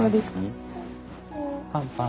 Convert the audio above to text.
パンパン。